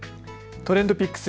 ＴｒｅｎｄＰｉｃｋｓ。